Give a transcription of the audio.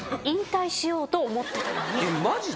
マジで？